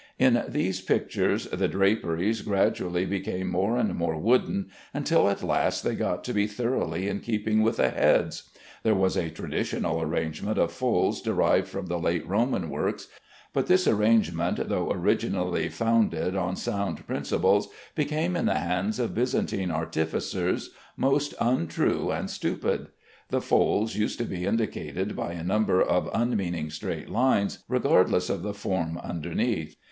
In these pictures the draperies gradually became more and more wooden, until at last they got to be thoroughly in keeping with the heads. There was a traditional arrangement of folds derived from the late Roman works, but this arrangement, though originally founded on sound principles, became in the hands of Byzantine artificers most untrue and stupid. The folds used to be indicated by a number of unmeaning straight lines, regardless of the form underneath.